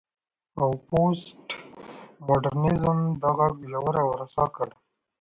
او پوسټ ماډرنيزم دا غږ ژور او رسا کړ.